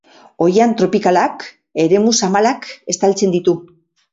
Oihan tropikalak eremu zabalak estaltzen ditu.